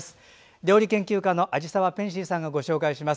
料理研究家の味澤ペンシーさんがご紹介します。